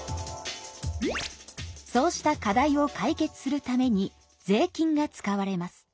そうした課題を解決するために税金が使われます。